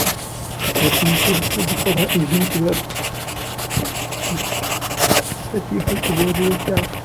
لكن التلسكوب الفضائي جيمس واب يسفتح الأبواب واسعة